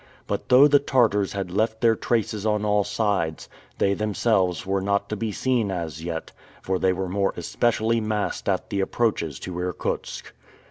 But though the Tartars had left their traces on all sides, they themselves were not to be seen as yet, for they were more especially massed at the approaches to Irkutsk.